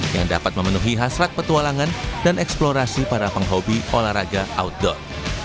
yang dapat memenuhi hasrat petualangan dan eksplorasi para penghobi olahraga outdoor